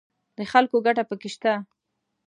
د خلکو ګټه پکې شته